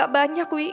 gak banyak wi